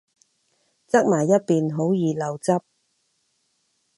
側埋一邊好易漏汁